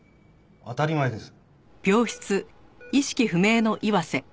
当たり前です。